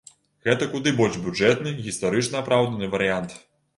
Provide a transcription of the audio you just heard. Гэта куды больш бюджэтны і гістарычна апраўданы варыянт.